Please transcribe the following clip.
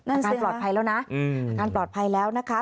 งานปลอดภัยแล้วนะอาการปลอดภัยแล้วนะคะ